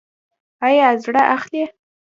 ایا زړه اخلئ؟